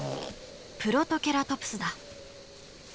プロトケラトプスだ。